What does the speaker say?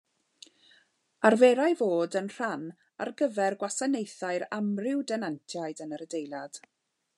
Arferai fod yn rhan ar gyfer gwasanaethau'r amryw denantiaid yn yr adeilad.